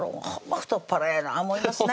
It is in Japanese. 太っ腹やな思いますね